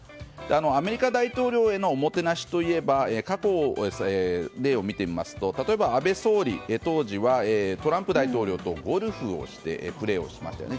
アメリカ大統領へのおもてなしといえば過去、例を見てみますと例えば、安倍総理当時はトランプ大統領とゴルフをプレーをしましたよね。